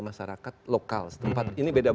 masyarakat lokal setempat